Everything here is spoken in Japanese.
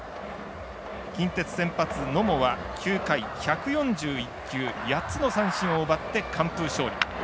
近鉄先発、野茂は９回１４１球８つの三振を奪って完封勝利。